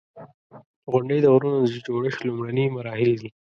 • غونډۍ د غرونو د جوړښت لومړني مراحل دي.